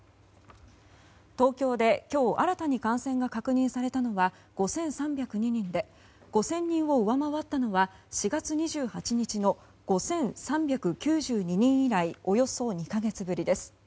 東京で今日新たに感染が確認されたのは５３０２人で５０００人を上回ったのは４月２８日の５３９２人以来およそ２か月ぶりです。